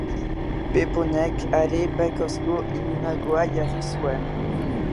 Pepponek are bekozko ilunagoa jarri zuen.